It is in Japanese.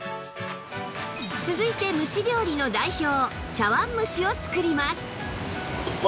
続いて蒸し料理の代表茶碗蒸しを作ります